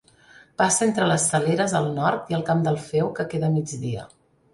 Passa entre les Saleres, al nord, i el Camp del Feu, que queda a migdia.